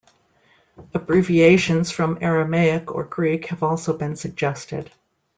Abbreviations from Aramaic or Greek have also been suggested.